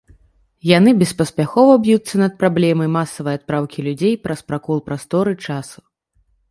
Яны беспаспяхова б'юцца над праблемай масавай адпраўкі людзей праз пракол прасторы-часу.